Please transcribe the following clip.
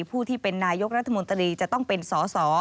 ผู้ที่เป็นนายกรัฐมนตรีจะต้องเป็นสอสอ